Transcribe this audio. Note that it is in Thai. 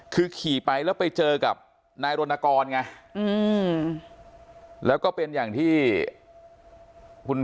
คือขี่ไปแล้วไปเจอกับนายรณกรไงแล้วก็เป็นอย่างที่คุณ